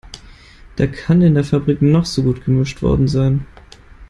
Da kann in der Fabrik noch so gut gemischt worden sein.